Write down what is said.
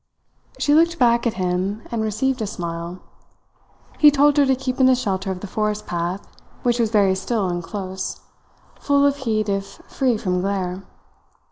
She looked back at him and received a smile. He told her to keep in the shelter of the forest path, which was very still and close, full of heat if free from glare.